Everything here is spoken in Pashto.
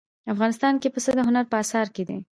افغانستان کې پسه د هنر په اثار کې دي.